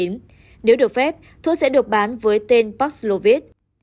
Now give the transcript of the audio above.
nếu được phép thuốc sẽ được bán với tên paxlovit